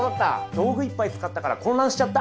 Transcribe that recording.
道具いっぱい使ったから混乱しちゃった。